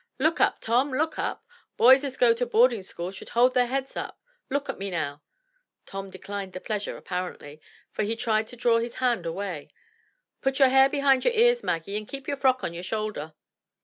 "Look up, Tom, look up. Boys as go to boarding schools should hold their heads up. Look at me now." Tom declined the pleasure apparently, for he tried to draw his hand away. "Put your hair behind your ears, Maggie, and keep your frock on your shoulder."